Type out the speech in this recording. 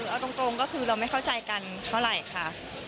เอาตรงก็คือเราไม่เข้าใจกันเท่าไหร่ค่ะ